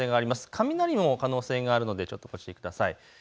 雷の可能性があるのでご注意ください。